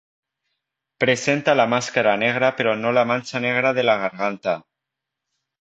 Presenta la máscara negra pero no la mancha negra de la garganta.